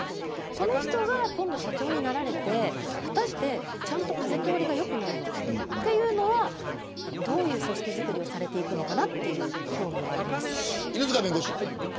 その人が今度、社長になって果たして、ちゃんと風通りが良くなるのかというのはどういう組織づくりをされていくのかなという犬塚弁護士。